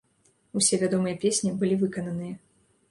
Усё вядомыя песні былі выкананыя.